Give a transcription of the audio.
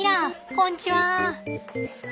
こんちは。